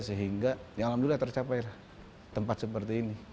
sehingga ya alhamdulillah tercapai lah tempat seperti ini